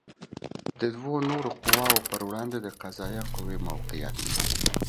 د دوو نورو قواوو پر وړاندې د قضائیه قوې موقعیت